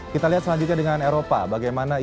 kita lihat selanjutnya dengan eropa bagaimana